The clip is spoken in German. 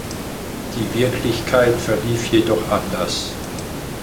Die Wirklichkeit verlief jedoch anders.